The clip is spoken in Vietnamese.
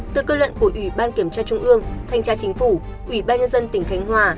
từ cơ luận của ủy ban kiểm tra trung ương thanh tra chính phủ ủy ban nhân dân tỉnh khánh hòa